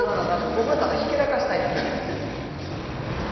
僕はただひけらかしたいだけなんでね。